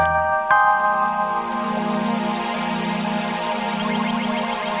aku sudah ketemu